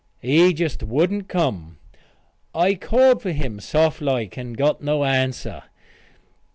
He just wouldn't come. I called for him soft like and got no answer.